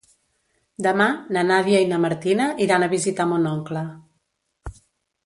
Demà na Nàdia i na Martina iran a visitar mon oncle.